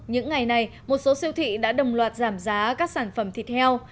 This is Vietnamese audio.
những ngày này một số siêu thị đã đồng loạt giảm giá các sản phẩm thịt heo